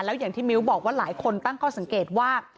แล้วอย่างที่มิ้วบอกว่าหลายคนตั้งข้อสังเกตว่า